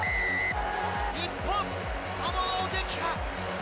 日本、サモアを撃破。